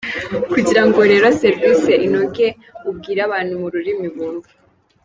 Kugira ngo rero serivisi inoge, ubwire abantu mu rurimi bumva.